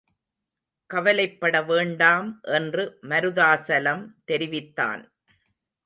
கவலைப்பட வேண்டாம் என்று மருதாசலம் தெரிவித்தான்.